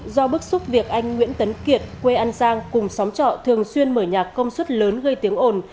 do bức xúc việc anh nguyễn tấn kiệt quê an giang cùng xóm trọ thường xuyên mở nhạc công suất lớn gây tiếng ồn